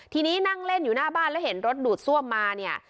ทีนี้นั่งเล่นอยู่หน้าบ้านแล้วเห็นรถดูดซ่วมมาเนี่ย